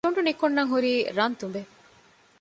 ތުނޑު ނިކުންނަން ހުރީ ރަން ތުނބެއް